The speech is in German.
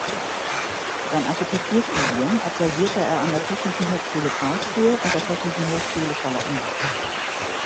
Sein Architekturstudium absolvierte er an der Technischen Hochschule Karlsruhe und der Technischen Hochschule Charlottenburg.